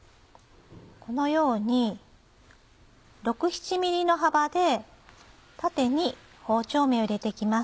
このように６７ｍｍの幅で縦に包丁目を入れて行きます。